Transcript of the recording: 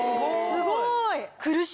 すごい！